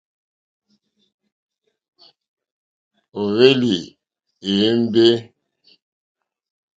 Ó hwélì èyémbé.